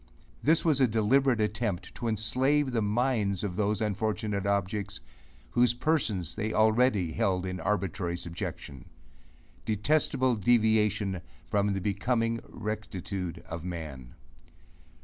This was a deliberate attempt to enslave the minds of those unfortunate objects, whose persons they already held in arbitrary subjection: Detestable deviation from the becoming rectitude of man.